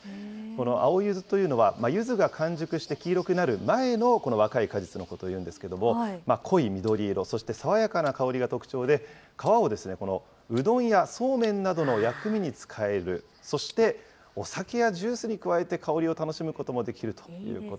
この青ゆずというのは、ゆずが完熟して黄色くなる前の若い果実のことを言うんですけれども、濃い緑色、そして爽やかな香りが特徴で、皮をうどんやそうめんなどの薬味に使える、そしてお酒やジュースに加えて香りを楽しむこともできるというこ